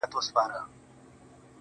نو گراني تاته وايم.